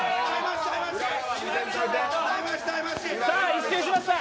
一周しました。